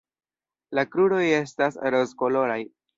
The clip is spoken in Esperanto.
La kruroj estas rozkoloraj.